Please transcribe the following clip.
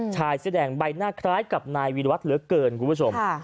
ชายเสื้อแดงใบหน้าคล้ายกับนายวีรวัตรเหลือเกินคุณผู้ชม